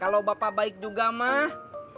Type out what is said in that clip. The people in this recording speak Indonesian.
kalau bapak baik juga mah